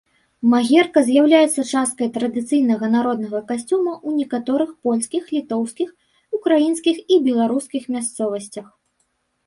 Магерка з'яўляецца часткай традыцыйнага народнага касцюма ў некаторых польскіх, літоўскіх, украінскіх і беларускіх мясцовасцях.